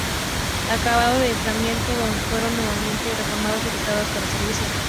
Acabado el enfrentamiento, doce fueron nuevamente reformados y restaurados para el servicio.